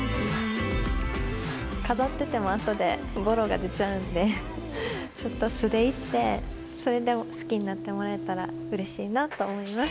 飾っててもあとでぼろが出ちゃうんでちょっと素でいってそれで好きになってもらえたら嬉しいなと思います。